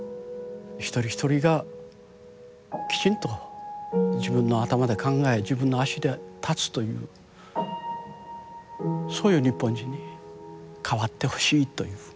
一人一人がきちんと自分の頭で考え自分の足で立つというそういう日本人に変わってほしいという。